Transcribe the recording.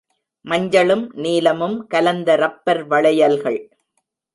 மஞ்சளும் நீலமும் கலந்த ரப்பர் வளையல்கள்.